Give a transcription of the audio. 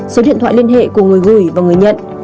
số điện thoại liên hệ của người gửi và người nhận